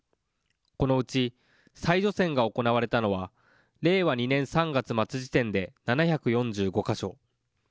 このうち、再除染が行われたのは、令和２年３月末時点で７４５か所。